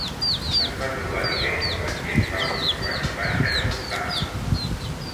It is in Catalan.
Es va trobar diners estrangers falsos a l'equipatge que portava.